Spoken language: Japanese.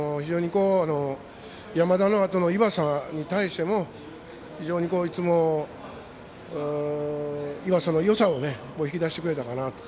山田のあとの岩佐に対しても非常にいつも、岩佐のよさを引き出してくれたかなと。